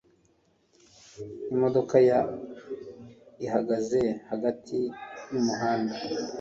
Imodoka ya ihagaze hagati yumuhanda.